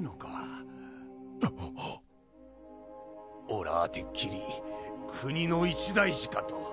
「俺はてっきり国の一大事かと」